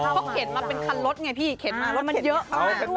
เขาเข็นมาเป็นคันรถไงพี่เข็นมารถมันเยอะมากด้วย